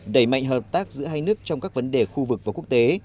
đẩy mạnh hợp tác giữa hai nước trong các vấn đề khu vực và quốc tế